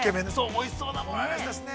◆おいしそうなものありましたね。